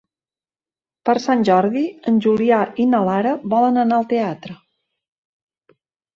Per Sant Jordi en Julià i na Lara volen anar al teatre.